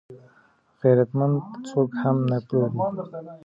غیرتمند څوک هم نه پلوري